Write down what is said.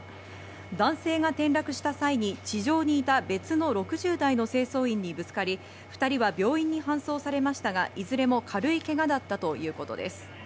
男性が転落した際に地上にいた別の６０代の清掃員にぶつかり２人は病院に搬送されましたが、いずれも軽いけがだったということです。